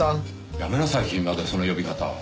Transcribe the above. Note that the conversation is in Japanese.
やめなさい君までその呼び方。